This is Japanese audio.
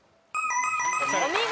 お見事。